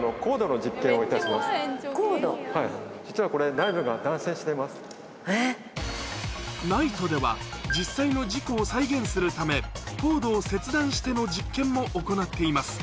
実はこれ、内部が断線ＮＩＴＥでは、実際の事故を再現するため、コードを切断しての実験も行っています。